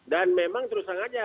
dan memang terusan aja